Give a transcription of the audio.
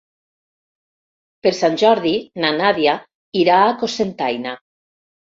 Per Sant Jordi na Nàdia irà a Cocentaina.